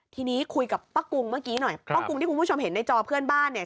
ทีนี้คุยกับป้ากุงเมื่อกี้หน่อยป้ากุ้งที่คุณผู้ชมเห็นในจอเพื่อนบ้านเนี่ย